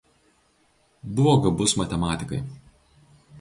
Buvo gabus matematikai.